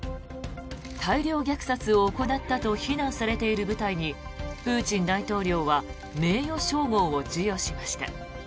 大量虐殺を行ったと非難されている部隊にプーチン大統領は名誉称号を授与しました。